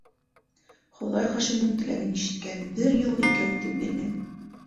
Хоҙай Хашимдың теләген ишеткән - бер юлы икәү итеп биргән.